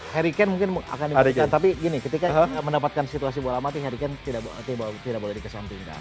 harry kane mungkin akan dimutikan tapi gini ketika mendapatkan situasi bola mati harry kane tidak boleh dikesan tingkat